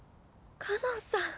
かのんさん。